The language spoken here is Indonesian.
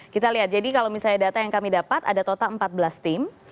kita lihat jadi kalau misalnya data yang kami dapat ada total empat belas tim